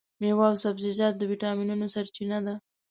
مېوې او سبزیجات د ویټامینونو سرچینه ده.